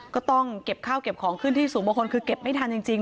ก็ต้องเก็บข้าวเก็บของขึ้นที่สูงบางคนคือเก็บไม่ทันจริง